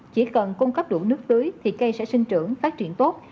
chỉ cần cung cấp đủ nước tưới thì cây sẽ sinh trưởng phát triển tốt